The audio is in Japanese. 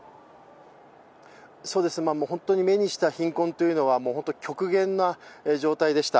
本当に目にした貧困というのは極限な状態でした。